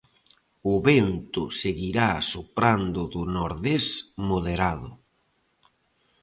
O vento seguirá soprando do nordés moderado.